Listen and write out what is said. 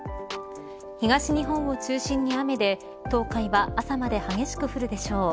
東日本を中心に雨で東海は朝まで激しく降るでしょう。